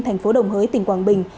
thành phố đồng hới tỉnh quảng bình